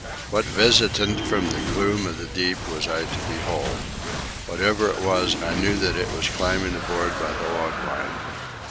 What visitant from the gloom of the deep was I to behold? Whatever it was, I knew that it was climbing aboard by the log line.